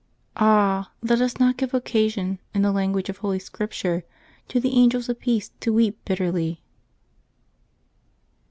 — Ah! let us not give occasion, in the lan guage of Holy Scripture, to the angels of peace to weep bitterly.